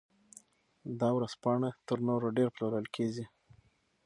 دا ورځپاڼه تر نورو ډېر پلورل کیږي.